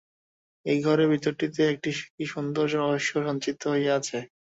এই ঘরের ভিতরটিতে একটি কী সুন্দর রহস্য সঞ্চিত হইয়া আছে।